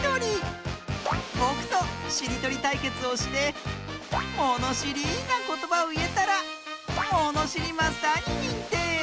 ぼくとしりとりたいけつをしてものしりなことばをいえたらものしりマスターににんてい！